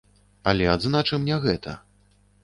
Але адзначым не гэта.